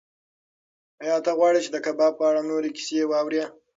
ایا ته غواړې چې د کباب په اړه نورې کیسې واورې؟